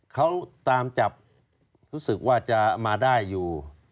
เขาตามจับรู้สึกว่าจะมาได้อยู่